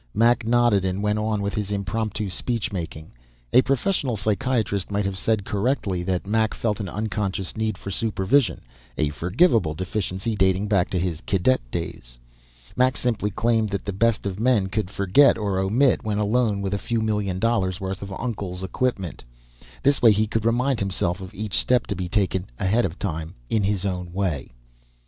Mac nodded and went on with his impromptu speechmaking; a professional psychiatrist might have said, correctly, that Mac felt an unconscious need for supervision, a forgivable deficiency dating back to his cadet days. Mac simply claimed that the best of men could forget or omit when alone with a few million dollars' worth of Uncle's equipment. This way he could remind himself of each step to be taken ahead of time, in his own way.